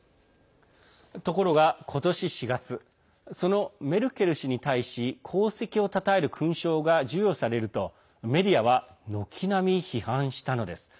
ところが、今年４月そのメルケル氏に対し功績をたたえる勲章が授与されるとメディアは軒並み批判したのです。